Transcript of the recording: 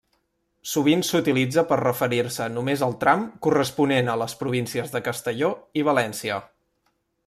Sovint s'utilitza per referir-se només al tram corresponent a les províncies de Castelló i València.